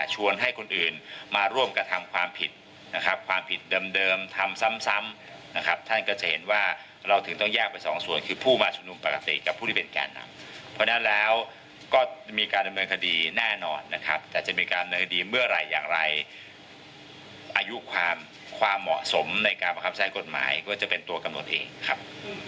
ให้คนอื่นมาร่วมกระทำความผิดนะครับความผิดเดิมทำซ้ำนะครับท่านก็จะเห็นว่าเราถึงต้องแยกไปสองส่วนคือผู้มาชุมนุมปกติกับผู้ที่เป็นแก่นำเพราะฉะนั้นแล้วก็มีการดำเนินคดีแน่นอนนะครับแต่จะมีการเนินคดีเมื่อไหร่อย่างไรอายุความความเหมาะสมในการประคับใช้กฎหมายก็จะเป็นตัวกำหนดเองครับ